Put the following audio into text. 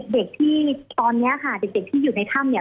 เด็กที่ตอนนี้ค่ะเด็กที่อยู่ในถ้ำเนี่ย